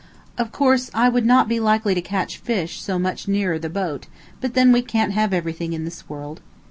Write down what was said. Of course, I would not be likely to catch fish so much nearer the boat, but then we can't have everything in this world.